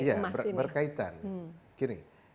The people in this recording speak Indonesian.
iya berkaitan gini